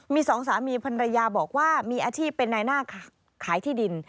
มีสองสามีภรรยาบอกว่ามีอาชีพเป็นนายหน้าขายที่ดิน